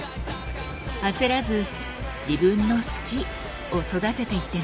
焦らず自分の「好き」を育てていってね。